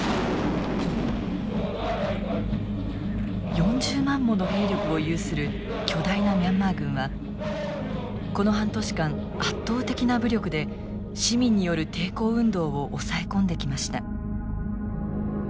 ４０万もの兵力を有する巨大なミャンマー軍はこの半年間圧倒的な武力で市民による抵抗運動を抑え込んできました。